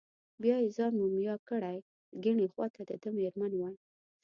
بیا یې ځان مومیا کړی، کیڼې خواته دده مېرمن وه.